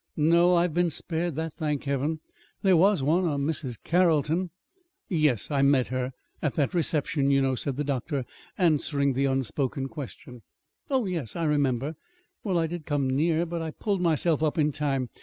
"No, I've been spared that, thank Heaven. There was one a Mrs. Carrolton." "Yes, I met her at that reception, you know," said the doctor, answering the unspoken question. "Oh, yes, I remember. Well, I did come near but I pulled myself up in time.